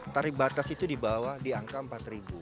tarif batas itu dibawah di angka rp empat